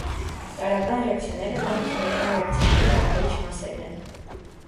Տարրական ռեակցիաները բարդ քիմիական ռեակցիաների բաղադրիչ մասերն են։